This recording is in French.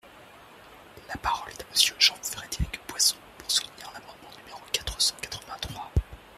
La parole est à Monsieur Jean-Frédéric Poisson, pour soutenir l’amendement numéro quatre cent quatre-vingt-trois.